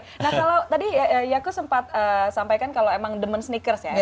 nah kalau tadi yaku sempat sampaikan kalau emang demen sneakers ya